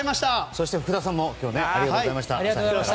そして福田さんもありがとうございました。